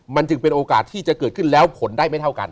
มันจึงเป็นโอกาสที่จะเกิดขึ้นแล้วผลได้ไม่เท่ากัน